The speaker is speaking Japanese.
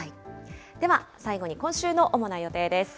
では最後に今週の主な予定です。